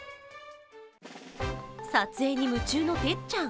撮影に夢中のてっちゃん。